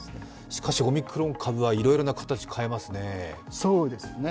しかし、オミクロン株はいろいろな形変えますね。